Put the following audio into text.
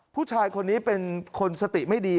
ผู้ชายคนนี้เป็นคนสติไม่ดี